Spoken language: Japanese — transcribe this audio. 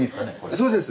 そうです。